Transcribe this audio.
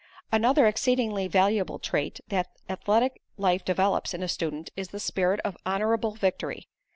Another exceedingly valuable trait that athletic life develops in a student is the spirit of honorable victory.